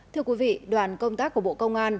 thưa quý vị đoàn công tác của bộ công an